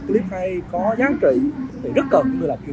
clip hay có giá trị thì rất cần người làm chuyên nghiệp làm ảnh hưởng